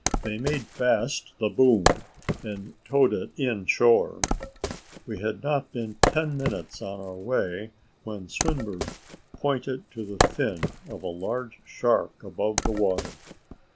They made fast the boom, and towed it in shore. We had not been ten minutes on our way, when Swinburne pointed to the fin of a large shark above the water.